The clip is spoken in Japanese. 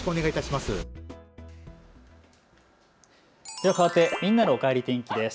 ではかわってみんなのおかえり天気です。